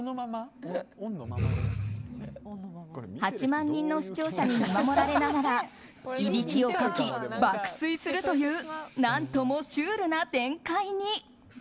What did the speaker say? ８万人の視聴者に見守られながらいびきをかき、爆睡するという何ともシュールな展開に。